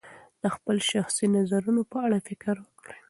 د خپلو شخصي نظرونو په اړه فکر وکړئ.